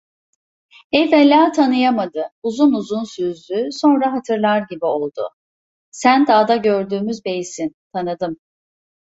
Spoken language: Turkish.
Evvela tanıyamadı, uzun uzun süzdü, sonra hatırlar gibi oldu: "Sen dağda gördüğümüz beysin, tanıdım!"